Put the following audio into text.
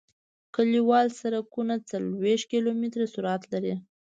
کلیوال سرکونه څلویښت کیلومتره سرعت لري